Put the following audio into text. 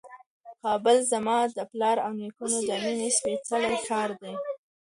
کابل زما د پلار او نیکونو د مېنې سپېڅلی ښار دی.